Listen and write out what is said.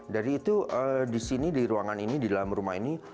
dari itu di sini di ruangan ini di dalam rumah ini